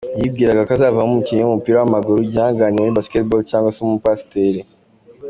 Yibwiraga ko azavamo umukinnyi w’umupira w’amaguru, igihangange muri Basketaball cyangwa se Umupasiteri.